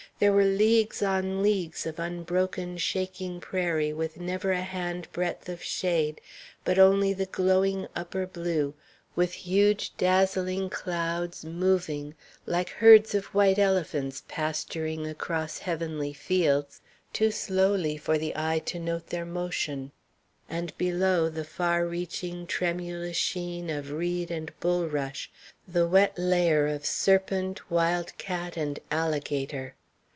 There were leagues on leagues of unbroken shaking prairie with never a hand breadth of shade, but only the glowing upper blue, with huge dazzling clouds moving, like herds of white elephants pasturing across heavenly fields, too slowly for the eye to note their motion; and below, the far reaching, tremulous sheen of reed and bulrush, the wet lair of serpent, wild cat, and alligator.